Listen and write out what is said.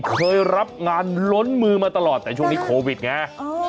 เคยรับงานล้นมือมาตลอดแต่ช่วงนี้โควิดไง